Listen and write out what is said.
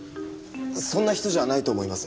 そんな人じゃないと思います。